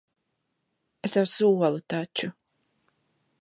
Es tev solu taču.